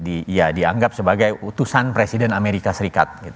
dianggap sebagai utusan presiden amerika serikat